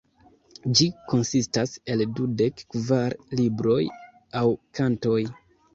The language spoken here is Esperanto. Ĝi konsistas el dudek kvar libroj aŭ kantoj.